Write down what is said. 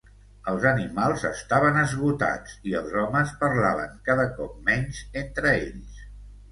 Els animals estaven esgotats i els homes parlaven cada cop menys entre ells.